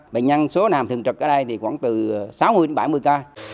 bệnh nhân số làm thường trực ở đây thì khoảng từ sáu mươi đến bảy mươi ca